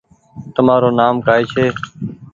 تمآرو نآم ڪآئي ڇي ۔